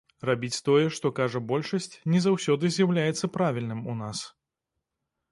Рабіць тое, што кажа большасць, не заўсёды з'яўляецца правільным у нас.